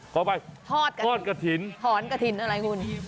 พอไปทอดกะถิ่นทอดกะถิ่นอะไรคุณ